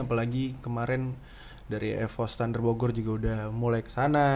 apalagi kemarin dari evo standar bogor juga udah mulai kesana